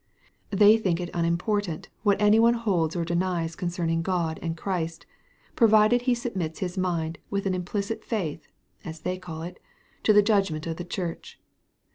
They think it unimportant what any one holds or denies concerning God and Christ, provided he submits his mind with an implicit faith (as they call it) to the judgment of the Church.